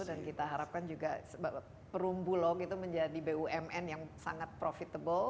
dan kita harapkan juga perumbulong itu menjadi bumn yang sangat profitable